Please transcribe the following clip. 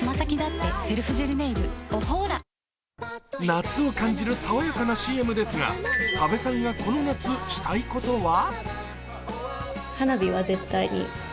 夏を感じる爽やかなＣＭですが多部さんがこの夏したいことは？